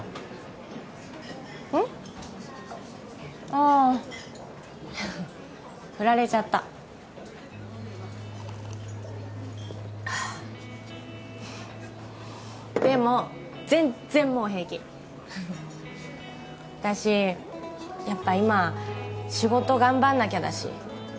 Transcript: ああフラれちゃったでも全然もう平気私やっぱ今仕事頑張んなきゃだし